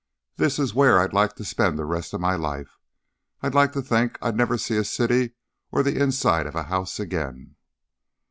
"This is where I'd like to spend the rest of my life. I'd like to think I'd never see a city or the inside of a house again."